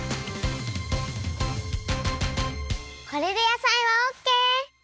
これでやさいはオッケー。